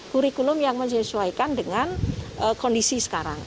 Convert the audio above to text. kurikulum yang menyesuaikan dengan kondisi sekarang